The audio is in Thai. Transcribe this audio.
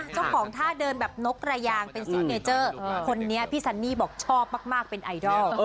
เจ้าของท่าเดินแบบนกระยางเป็นซิกเนเจอร์คนนี้พี่ซันนี่บอกชอบมากเป็นไอดอล